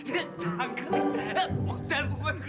jangan tuh jantung lo sih dari plastik